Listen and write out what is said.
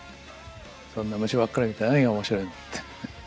そんな虫ばっかり見て何が面白いのって。